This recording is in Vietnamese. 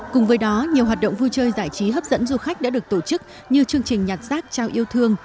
cùng với đó nhiều hoạt động vui chơi giải trí hấp dẫn du khách đã được tổ chức như chương trình nhặt rác trao yêu thương